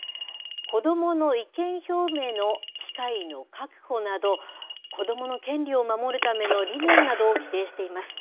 子どもの意見表明の機会の確保など、子どもの権利を守るための理念などを規定しています。